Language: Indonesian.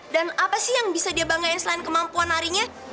dan apa sih yang bisa dia banggain selain kemampuan nari nya